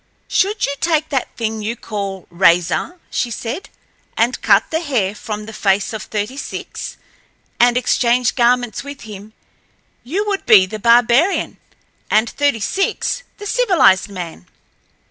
"Should you take that thing you call 'razor,'" she said, "and cut the hair from the face of Thirty six, and exchange garments with him, you would be the barbarian and Thirty six the civilized man.